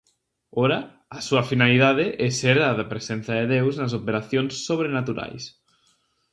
Ora, a súa finalidade é ser a da presenza de Deus nas operacións sobrenaturais.